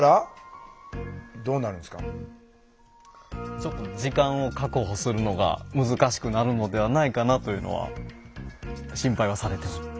ちょっと時間を確保するのが難しくなるのではないかなというのは心配はされてます。